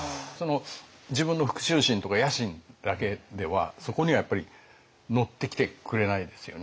自分の復しゅう心とか野心だけではそこにはやっぱり乗ってきてくれないですよね。